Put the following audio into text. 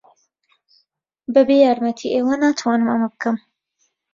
بەبێ یارمەتیی ئێوە ناتوانم ئەمە بکەم.